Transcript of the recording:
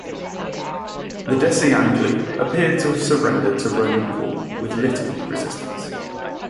The Deceangli appear to have surrendered to Roman rule with little resistance.